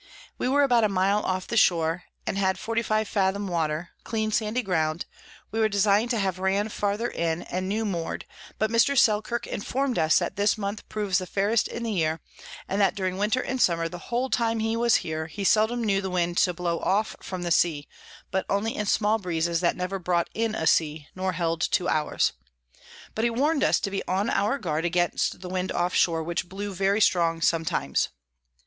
We were about a mile off the Shore, and had 45 fathom Water, clean sandy Ground; we design'd to have ran farther in, and new moor'd, but Mr. Selkirk inform'd us that this Month proves the fairest in the Year, and that during Winter and Summer, the [Sidenote: Account of Juan Fernandez.] whole time he was here, he seldom knew the Wind to blow off from the Sea, but only in small Breezes that never brought in a Sea, nor held two hours: but he warn'd us to be on our guard against the Wind off shore, which blew very strong sometimes.